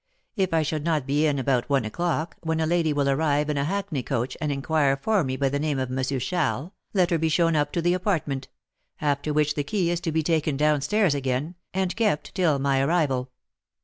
If I should not be in about one o'clock, when a lady will arrive in a hackney coach and inquire for me by the name of M. Charles, let her be shown up to the apartment; after which the key is to be taken down stairs again, and kept till my arrival."